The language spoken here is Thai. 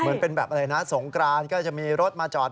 เหมือนเป็นแบบอะไรนะสงกรานก็จะมีรถมาจอด